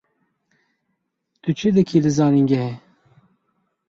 Tu çi dikî li zanîngehê?